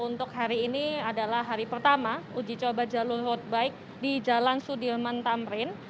untuk hari ini adalah hari pertama uji coba jalur road bike di jalan sudirman tamrin